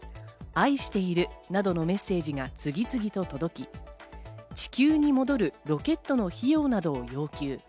愛しているなどのメッセージが次々と届き、地球に戻るロケットの費用などを要求。